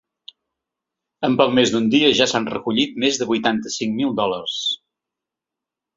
En poc més d’un dia ja s’han recollit més de vuitanta-cinc mil dòlars.